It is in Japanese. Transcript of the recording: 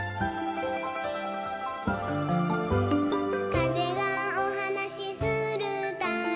「かぜがおはなしするたび」